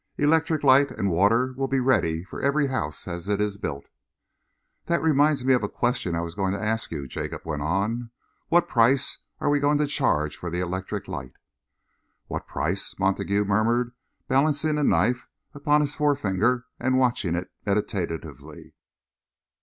Electric light and water will be ready for every house as it is built." "That reminds me of a question I was going to ask you," Jacob went on. "What price are we going to charge for the electric light?" "What price?" Montague murmured, balancing a knife upon his forefinger and watching it meditatively.